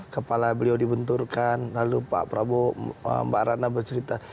kepala beliau dibenturkan lalu pak prabowo mbak ratna bercerita